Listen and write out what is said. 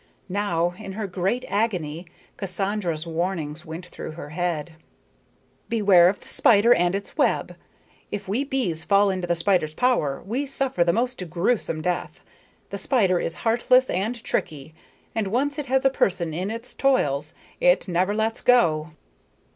Now, in her great agony, Cassandra's warnings went through her mind: "Beware of the spider and its web. If we bees fall into the spider's power we suffer the most gruesome death. The spider is heartless and tricky, and once it has a person in its toils, it never lets him go."